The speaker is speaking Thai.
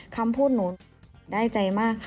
คำพูดหนูได้ใจมากค่ะ